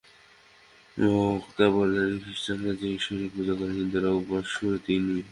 বক্তা বলেন, খ্রীষ্টানরা যে-ঈশ্বরের পূজা করেন, হিন্দুদেরও উপাস্য তিনিই।